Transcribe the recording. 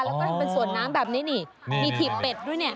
แล้วก็ทำเป็นสวนน้ำแบบนี้นี่มีถีบเป็ดด้วยเนี่ย